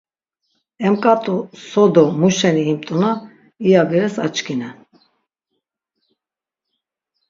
Em k̆at̆u so do muşeni imt̆una iya beres açkinen.